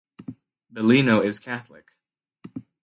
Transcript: Bellino is Catholic.